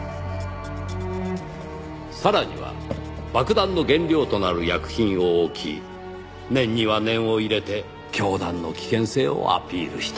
さらには爆弾の原料となる薬品を置き念には念を入れて教団の危険性をアピールした。